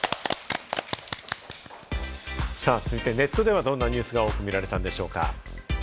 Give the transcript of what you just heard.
続いて、ネットではどんなニュースが多く見られたんでしょうか。